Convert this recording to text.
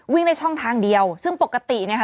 วิ่งได้ช่องทางเดียวซึ่งปกติเนี่ยค่ะ